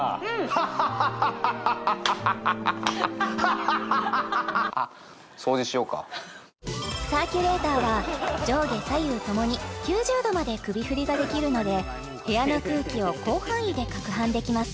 ハッハッハッハッハッハッハッハッハッハッサーキュレーターは上下左右ともに９０度まで首振りができるので部屋の空気を広範囲でかくはんできます